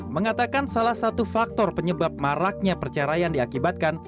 mengatakan salah satu faktor penyebab maraknya perceraian diakibatkan